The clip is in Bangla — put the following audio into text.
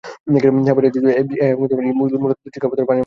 হেপাটাইটিস এ এবং ই মূলত দূষিত খাবার এবং পানির মাধ্যমে ছড়ায়।